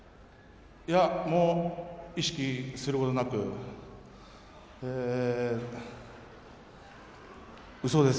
もう意識することなくうそです。